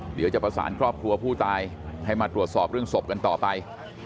เดี๋ยวจะประสานครอบครัวผู้ตายให้มาตรวจสอบเรื่องศพกันต่อไป